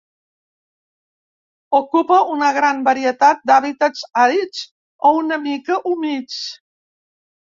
Ocupa una gran varietat d'hàbitats àrids o una mica humits.